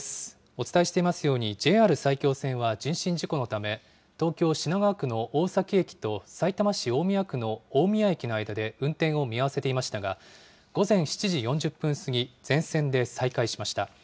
お伝えしていますように、ＪＲ埼京線は人身事故のため、東京・品川区の大崎駅とさいたま市大宮区の大宮駅の間で運転を見合わせていましたが、午前７時４０分過ぎ、全線で再開しました。